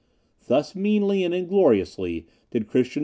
Thus meanly and ingloriously did Christian IV.